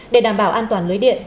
để đảm bảo an toàn lưới điện